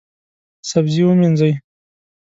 سبزي ومینځئ